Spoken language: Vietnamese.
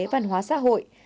văn hóa xã hội